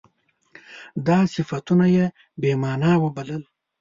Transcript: دا صفتونه یې بې معنا وبلل.